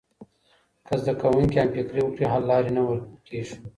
که زده کوونکي همفکري وکړي، حل لارې نه ورکېږي.